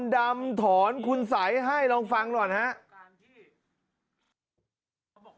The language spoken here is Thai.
พระอาจารย์ออสบอกว่าอาการของคุณแป๋วผู้เสียหายคนนี้อาจจะเกิดจากหลายสิ่งประกอบกัน